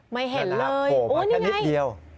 ไม่เห็นเลยโอ้นี่ไงโผล่มาแค่นิดเดียว